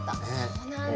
そうなんだ。